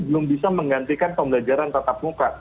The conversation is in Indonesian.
belum bisa menggantikan pembelajaran tatap muka